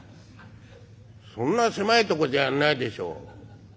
「そんな狭いとこじゃやんないでしょう。